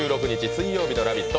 水曜日の「ラヴィット！」